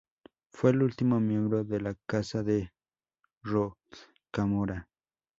Fue el último miembro de la Casa de Rocamora.